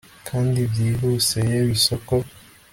Kandi byihuse yewe isoko